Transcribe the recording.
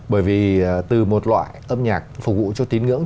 bởi vì từ một loại âm nhạc phục vụ cho tín ngưỡng